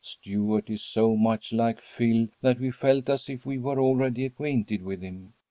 Stuart is so much like Phil that we felt as if we were already acquainted with him.